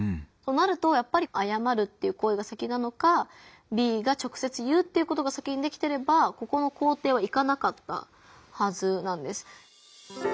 そうなるとやっぱり「謝る」という行為が先なのかＢが直接言うっていうことが先にできてればここの工程はいかなかったはずなんです。